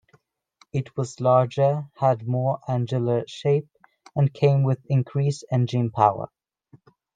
It was larger, had a more angular shape, and came with increased engine power.